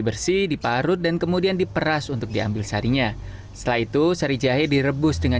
bersih diparut dan kemudian diperas untuk diambil sarinya setelah itu sari jahe direbus dengan